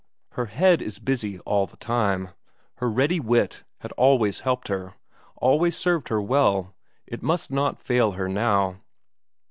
Her head is busy all the time; her ready wit had always helped her, always served her well; it must not fail her now.